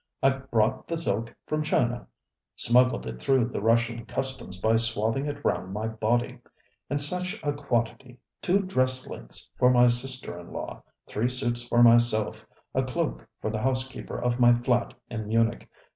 I brought the silk from ChinaŌĆösmuggled it through the Russian customs by swathing it round my body. And such a quantity: two dress lengths for my sister in law, three suits for myself, a cloak for the housekeeper of my flat in Munich.